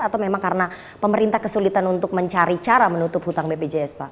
atau memang karena pemerintah kesulitan untuk mencari cara menutup hutang bpjs pak